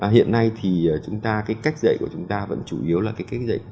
hiện nay thì chúng ta cái cách dạy của chúng ta vẫn chủ yếu là cái cách dạy